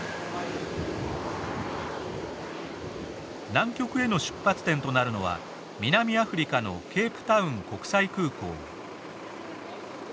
南極への出発点となるのは南アフリカのケープタウン国際空港。